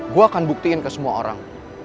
gue akan buktiin ke semua orang